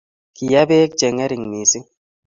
Kiee beek chengering mising